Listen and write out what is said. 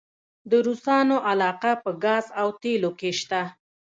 د روسانو علاقه په ګاز او تیلو کې شته؟